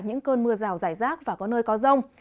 những cơn mưa rào rải rác và có nơi có rông